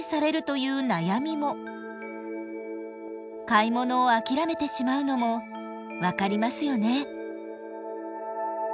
買い物を諦めてしまうのも分かりますよね。